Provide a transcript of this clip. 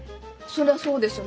そりゃそうでしょ。